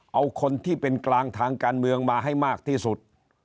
เอาคนที่เป็นกลางทางการเมืองมาให้มากที่สุด